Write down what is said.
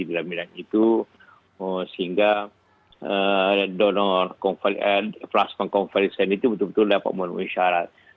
di dalam bidang itu sehingga donor plasma konvalesan itu betul betul dapat menunjukkan syarat